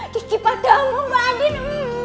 gigi padamu mbak adin